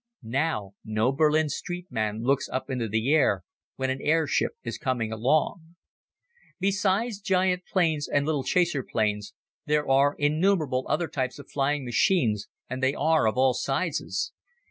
Now no Berlin street man looks up into the air when an airship is coming along. Besides giant planes and little chaser planes, there are innumerable other types of flying machines and they are of all sizes.